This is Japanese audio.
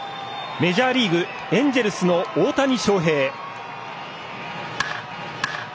メジャーリーグエンジェルスの大谷翔平。